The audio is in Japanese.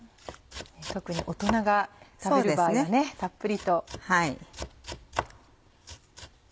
特に大人が食べる場合はたっぷりと。